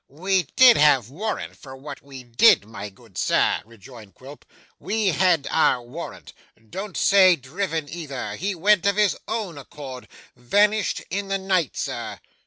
'We had warrant for what we did, my good sir,' rejoined Quilp, 'we had our warrant. Don't say driven either. He went of his own accord vanished in the night, sir.